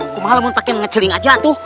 aku malem mau pakai ngeceling aja tuh